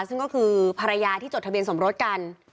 ซึ่งก็คือภรรยาที่จดทะเบียนสมรสกัน